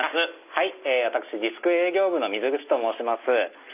はい私ディスク営業部の水口と申します。